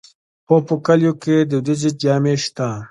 خو په کلیو کې دودیزې جامې شته.